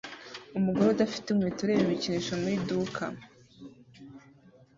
Umugore udafite inkweto ureba ibikinisho mu iduka